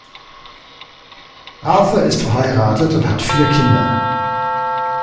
Arthur ist verheiratet und hat vier Kinder.